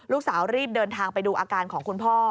รีบเดินทางไปดูอาการของคุณพ่อ